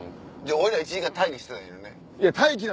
俺ら１時間待機してたらええのね。